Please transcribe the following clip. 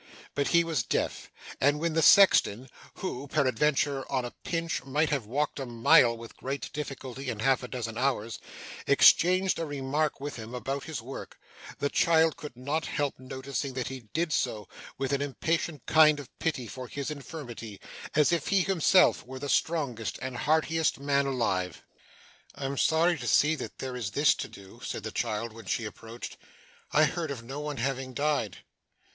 But he was deaf; and when the sexton (who peradventure, on a pinch, might have walked a mile with great difficulty in half a dozen hours) exchanged a remark with him about his work, the child could not help noticing that he did so with an impatient kind of pity for his infirmity, as if he were himself the strongest and heartiest man alive. 'I'm sorry to see there is this to do,' said the child when she approached. 'I heard of no one having died.